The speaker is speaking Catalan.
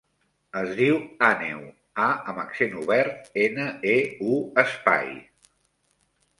Es diu Àneu : a amb accent obert, ena, e, u, espai.